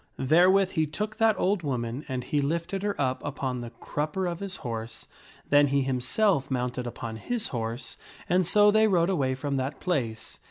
Therewith he took that old woman and he lifted her up upon the crup per of his horse ; then he himself mounted upon his horse, and so they rode away from that place.